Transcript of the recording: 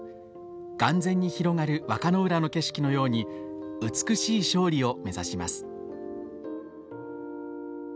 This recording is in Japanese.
眼前に広がる和歌の浦の景色のように美しい勝利を目指します。